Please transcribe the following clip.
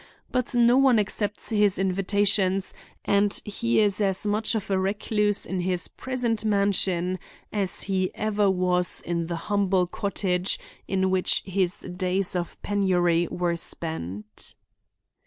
But no one accepts his invitations, and he is as much of a recluse in his present mansion as he ever was in the humble cottage in which his days of penury were spent.